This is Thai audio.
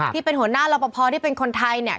ที่เป็นหัวหน้ารอปภที่เป็นคนไทยเนี่ย